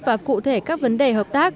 và cụ thể các vấn đề hợp tác